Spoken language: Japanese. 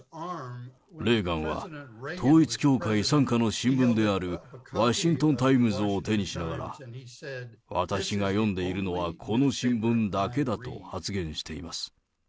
レーガンは統一教会傘下の新聞であるワシントン・タイムズを手にしながら、私が読んでいるのはこの新聞だけだと発言しています。